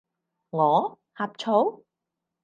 我？呷醋？